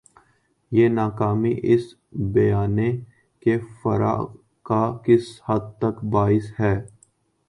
یہ ناکامی اس بیانیے کے فروغ کا کس حد تک باعث ہے؟